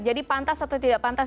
jadi pantas atau tidak pantas